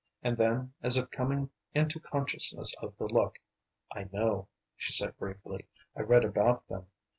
And then, as if coming into consciousness of the look: "I know," she said briefly. "I read about them.